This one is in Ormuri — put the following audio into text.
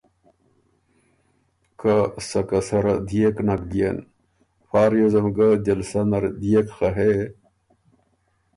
که سکه سره دئېک نک بيېن، فا ریوزم ګه جلسه نر ديېک خه هې